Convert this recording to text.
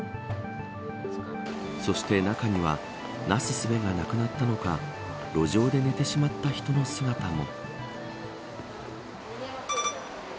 そして、中にはなすすべがなくなったのか路上で寝てしまった人の姿も。